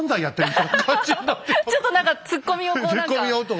ちょっと何かツッコミをこう何か。